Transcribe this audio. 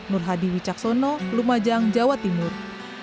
nur hadi wicaksono lumajang jawa timur